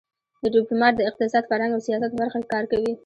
ډيپلومات د اقتصاد، فرهنګ او سیاست په برخه کې کار کوي.